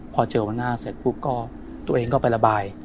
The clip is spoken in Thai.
พอเจอวันหน้าเสร็จปุ๊บก็ตัวเองก็ไประบาย